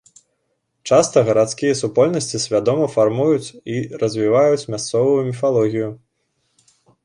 Часта гарадскія супольнасці свядома фармуюць і развіваюць мясцовую міфалогію.